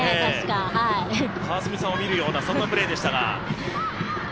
川澄さんを見るようなプレーでしたが。